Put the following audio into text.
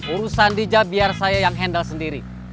urusan dija biar saya yang handle sendiri